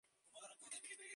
Lago Titicaca